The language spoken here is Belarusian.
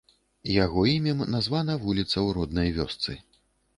Яго імем названа вуліца ў роднай вёсцы.